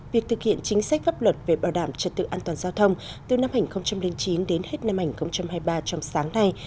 việc thực hiện chính sách pháp luật về bảo đảm trật tự an toàn giao thông từ năm hai nghìn chín đến hết năm hai nghìn hai mươi ba trong sáng nay